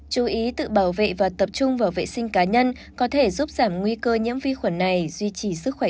chú ý tự bảo vệ và tập trung vào vệ sinh cá nhân có thể giúp giảm nguy cơ nhiễm vi khuẩn này duy trì sức khỏe